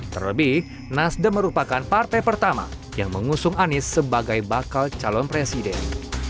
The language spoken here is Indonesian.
terlebih nasdem merupakan partai pertama yang mengusung anies sebagai bakal calon presiden